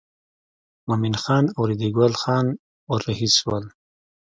مومن خان او ریډي ګل خان ور رهي شول.